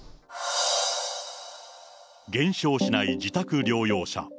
減少しない自宅療養者。